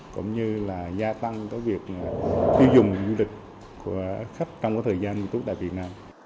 cũng như là gia tăng cái việc thiêu dùng du lịch của khách trong cái thời gian du lịch tại việt nam